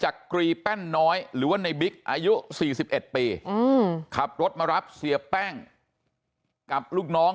อายุสี่สิบเอ็ดปีอืมขับรถมารับเสียแป้งกับลูกน้อง